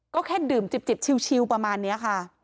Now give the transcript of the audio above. ก็แค่ดื่มจิบชิวประมาณนี้ค่ะ